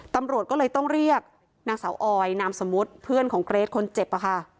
ตำรวจก็เลยต้องเรียกนางสาวออยนามสมมุติเพื่อนของเกรทคนเจ็บอะค่ะ